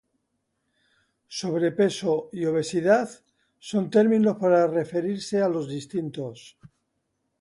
“sobrepeso” y “obesidad” son términos para referirse a los distintos